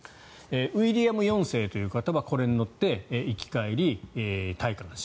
ウィリアム４世という方はこれに乗って行き、帰り、戴冠式。